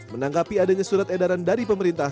menanggapi adanya surat edaran dari pemerintah